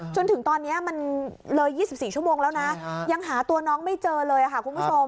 จนถึงตอนนี้มันเลย๒๔ชั่วโมงแล้วนะยังหาตัวน้องไม่เจอเลยค่ะคุณผู้ชม